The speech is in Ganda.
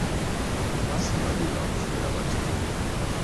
Abaasinga luli bakwebera batya?